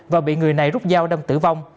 và bị người này rút dao đâm tử vong